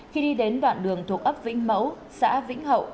khi đi đến đoạn đường thuộc ấp vĩnh mẫu xã vĩnh hậu